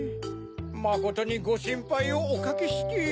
まことにごしんぱいをおかけして。